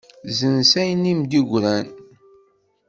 Zzenz ayen i m-d-yegran.